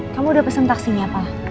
kamu udah pesen taksinya pak